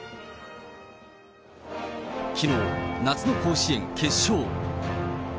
きのう、夏の甲子園決勝。